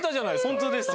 ホントですよ。